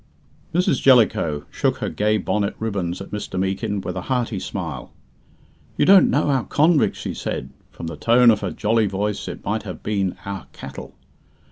Mrs. Jellicoe shook her gay bonnet ribbons at Mr. Meekin, with a hearty smile. "You don't know our convicts," she said (from the tone of her jolly voice it might have been "our cattle").